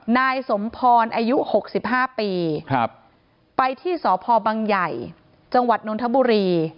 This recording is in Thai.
นายสมพรอายุหกสิบห้าปีครับไปที่สภบังใหญ่จังหวัดนนทบุรี